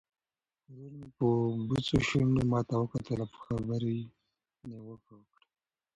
ورور مې په بوڅو شونډو ماته وکتل او په خبرو یې نیوکه وکړه.